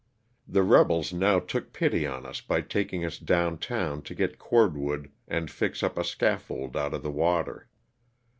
The rebels now took pity on us by taking us down town to get cord wood and fix up a scaffold out of the water.